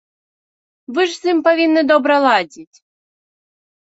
Вы ж з ім павінны добра ладзіць.